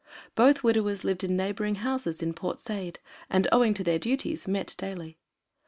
Both widowers lived in neighboring houses in Port Said, and owing to their duties met daily.